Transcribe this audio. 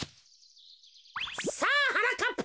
さあはなかっぱ。